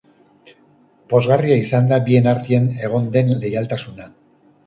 Pozgarria izan da bien artean egon den leialtasuna.